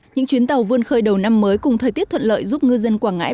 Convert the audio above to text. những chuyến tàu vươn khơi đầu năm mới cùng thời tiết thuận lợi giúp ngư dân quảng ngãi